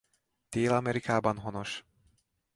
Dél-Amerikában honos.